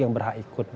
yang berhak ikut